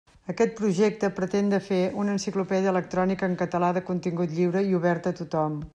Aquest projecte pretén de fer una enciclopèdia electrònica en català de contingut lliure i oberta a tothom.